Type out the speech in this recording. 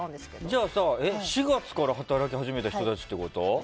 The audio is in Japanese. じゃあさ、４月から働き始めた人たちってこと？